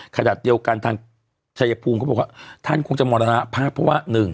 ขณะเดียวกันทางชายภูมิเขาบอกว่าท่านคงจะมรณภาพเพราะว่า๑